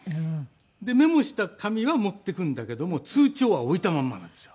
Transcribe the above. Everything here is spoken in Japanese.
でメモした紙は持っていくんだけども通帳は置いたまんまなんですよ。